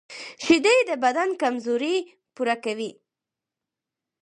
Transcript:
شیدې د بدن کمزوري پوره کوي